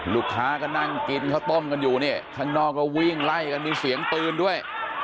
ลูกค้าก็นั่งกินข้าวต้มกันอยู่เนี่ยข้างนอกก็วิ่งไล่กันมีเสียงปืนด้วย